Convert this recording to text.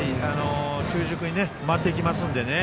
中軸に回っていきますので。